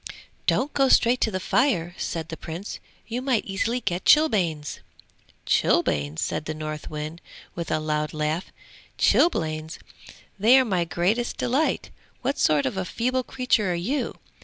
'Don't go straight to the fire,' said the Prince. 'You might easily get chilblains!' 'Chilblains!' said the Northwind with a loud laugh. 'Chilblains! they are my greatest delight! What sort of a feeble creature are you?